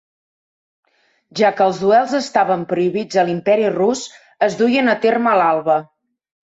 Ja que els duels estaven prohibits a l'Imperi rus, es duien a terme a l'alba.